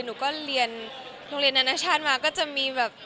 หนูก็เรียนโรงเรียนนานาชาติมาก็จะมีแบบ